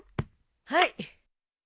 はい。